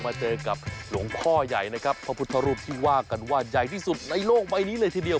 มาเจอกับหลวงพ่อใหญ่นะครับพระพุทธรูปที่ว่ากันว่าใหญ่ที่สุดในโลกใบนี้เลยทีเดียว